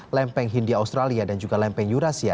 lempeng hindia australia dan juga lempeng eurasia